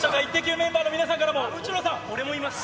メンバーの皆さんからも、俺もいます。